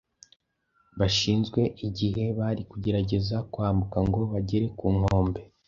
bashinzwe igihe bari kugerageza kwambuka ngo bagere ku nkombe